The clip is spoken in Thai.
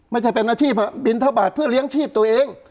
ไม่ใช่เป็นนาฬิพลภาพบิณฑบาตเพื่อเลี้ยงชีพตัวเอง